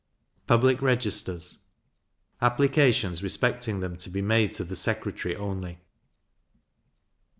Public Registers applications respecting them to be made to the secretary only.